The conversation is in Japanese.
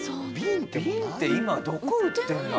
瓶って今どこ売ってるんだろ？